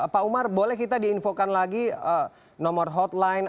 pak umar boleh kita diinfokan lagi nomor hotline